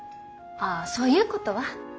あそういうことは。